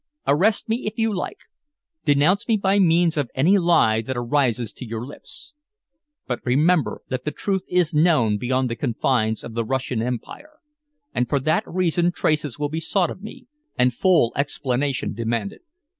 "Arrest me if you like. Denounce me by means of any lie that arises to your lips, but remember that the truth is known beyond the confines of the Russian Empire, and for that reason traces will be sought of me and full explanation demanded.